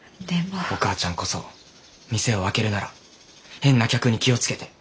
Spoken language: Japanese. お母ちゃんこそ店を開けるなら変な客に気を付けて。